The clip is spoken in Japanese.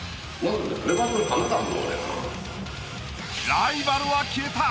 ライバルは消えた！